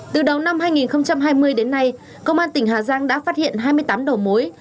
từ đầu năm hai nghìn hai mươi đến nay công an tỉnh hà giang đã phát hiện hai mươi tám đầu mối